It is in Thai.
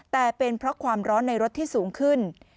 แต่เป็นเพราะความร้อนในรถที่สูงขึ้น